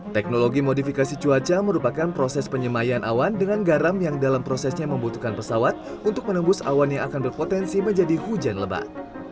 teknologi modifikasi cuaca merupakan proses penyemayan awan dengan garam yang dalam prosesnya membutuhkan pesawat untuk menembus awan yang akan berpotensi menjadi hujan lebat